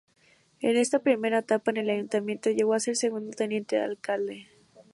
En esta primera etapa en el Ayuntamiento llegó a ser segundo teniente de alcalde.